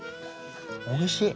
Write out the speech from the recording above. おいしい。